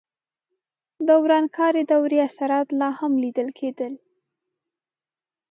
د ورانکارې دورې اثرات لا هم لیدل کېدل.